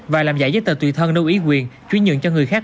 và làm giải giấy tờ tùy thân nâu ý quyền chuyến nhượng cho người khác